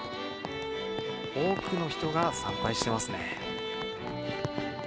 多くの人が参拝してますね。